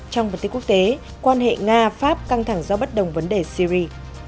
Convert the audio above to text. trong vận tích quốc tế quan hệ nga pháp căng thẳng do bất đồng vấn đề syri